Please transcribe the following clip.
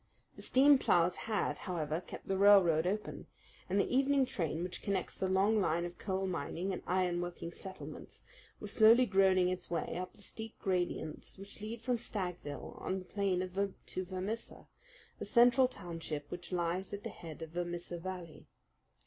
The steam ploughs had, however, kept the railroad open, and the evening train which connects the long line of coal mining and iron working settlements was slowly groaning its way up the steep gradients which lead from Stagville on the plain to Vermissa, the central township which lies at the head of Vermissa Valley.